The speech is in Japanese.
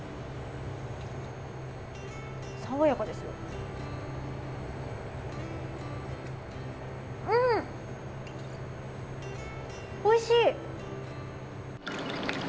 爽やかですよ、おいしい！